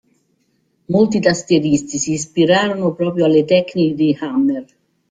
Molti tastieristi si ispirarono proprio alle tecniche di Hammer.